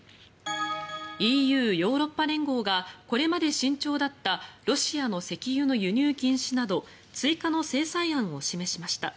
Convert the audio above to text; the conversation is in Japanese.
ＥＵ・ヨーロッパ連合がこれまで慎重だったロシアの石油の輸入禁止など追加の制裁案を示しました。